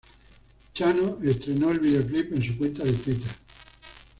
Chano estrenó el videoclip en su cuenta de Twitter.